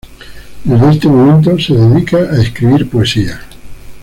Desde este momento se dedica a escribir poesía.